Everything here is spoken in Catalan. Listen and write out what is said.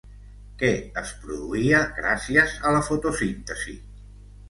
Què es produïa gràcies a la fotosíntesi?